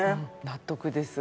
納得です。